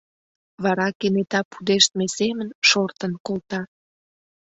Вара кенета пудештме семын шортын колта.